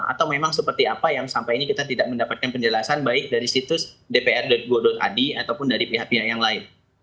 atau memang seperti apa yang sampai ini kita tidak mendapatkan penjelasan baik dari situs dpr go id ataupun dari pihak pihak yang lain